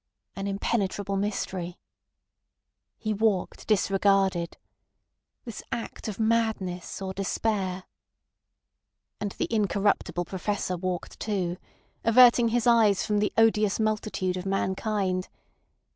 "An impenetrable mystery. ..." He walked disregarded. ... "This act of madness or despair." And the incorruptible Professor walked too, averting his eyes from the odious multitude of mankind.